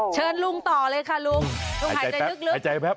เชิญลุงต่อเลยค่ะลุงหายใจแป๊บหายใจแป๊บ